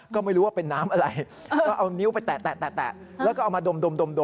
ก็ไม่รู้ว่าเป็นน้ำอะไรก็เอานิ้วไปแตะแล้วก็เอามาดม